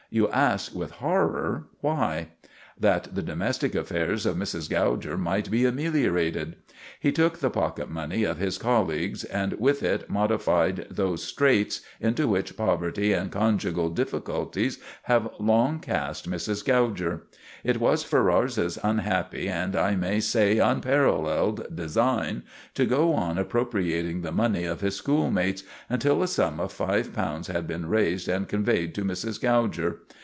You ask with horror why. That the domestic affairs of Mrs. Gouger might be ameliorated. He took the pocket money of his colleagues, and with it modified those straits into which poverty and conjugal difficulties have long cast Mrs. Gouger. It was Ferrars's unhappy, and I may say unparalleled, design to go on appropriating the money of his school mates until a sum of five pounds had been raised and conveyed to Mrs. Gouger.